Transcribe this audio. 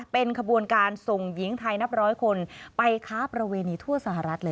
เป็นขบวนการส่งหญิงไทยนับร้อยคนไปค้าประเวณีทั่วสหรัฐเลย